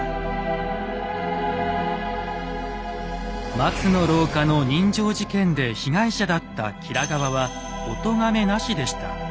松之廊下の刃傷事件で被害者だった吉良側はおとがめなしでした。